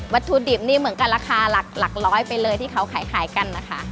ถุดิบนี่เหมือนกันราคาหลักร้อยไปเลยที่เขาขายกันนะคะ